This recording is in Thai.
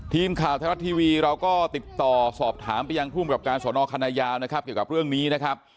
ทีมข่าวไทยรัฐทีวีเราก็ติดต่อสอบถามไปยังภูมิกับการสอนอคณะยาวนะครับเกี่ยวกับเรื่องนี้นะครับ